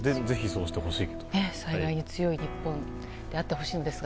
災害に強い日本であってほしいんですが。